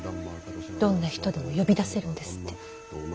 どんな人でも呼び出せるんですって。